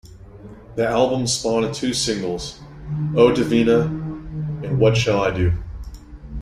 The album spawned two singles: "O'Divina" and "What Shall I Do?